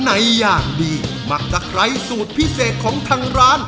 อย่างดีหมักตะไคร้สูตรพิเศษของทางร้าน